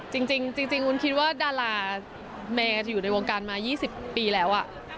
จริงวุ้นคิดว่าดาราเมย์จะอยู่ในวงการมา๒๐ปีแล้ว